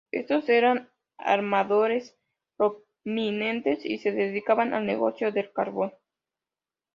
Estos eran armadores prominentes y se dedicaban al negocio del carbón.